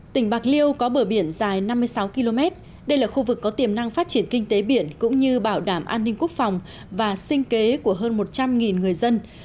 tỉnh bạc liêu có bờ biển dài năm mươi sáu km đây là khu vực có tiềm năng phát triển kinh tế biển cũng như bảo đảm an ninh quốc phòng và sinh kế của hơn một trăm linh người dân